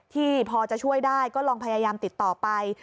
ที่พอจะช่วยได้ก็ลองพยายามติดต่อไป